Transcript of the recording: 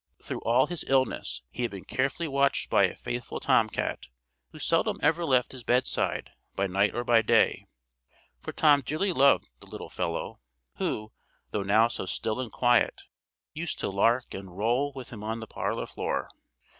Through all his illness, he had been carefully watched by a faithful tom cat, who seldom ever left his bedside by night or by day; for Tom dearly loved the little fellow, who, though now so still and quiet, used to lark and roll with him on the parlour floor.